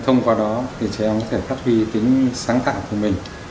thông qua đó thì trẻ em có thể phát huy tính sáng tạo của mình